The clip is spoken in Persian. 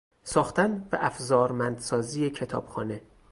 ساختن و افزارمند سازی کتابخانه